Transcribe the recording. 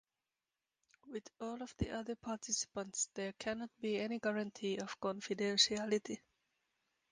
With all of the other participants, there can not be any guarantee of confidentiality.